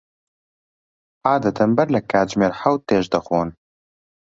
عادەتەن بەر لە کاتژمێر حەوت تێشت دەخۆن؟